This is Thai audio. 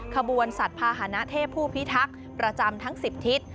ขบวนสัตว์ภาษณะเทพผู้พิทักษ์ประจำทั้ง๑๐ทิศ